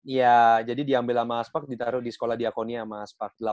iya jadi diambil sama aspak ditaruh di sekolah diakonia mas